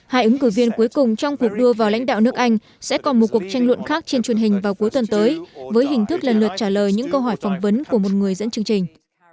hai ứng cử viên cuối cùng trong cuộc đua vào lãnh đạo nước anh sẽ còn một cuộc tranh luận khác trên truyền hình vào cuối tuần tới với hình thức lần lượt trả lời những câu hỏi phỏng vấn của một người dẫn chương trình